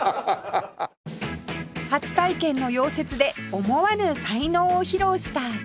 初体験の溶接で思わぬ才能を披露した純ちゃん